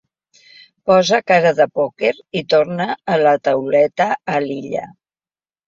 Posa cara de pòquer i torna la tauleta a l'Illa.